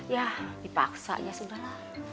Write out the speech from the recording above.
ya dipaksa ya sudah lah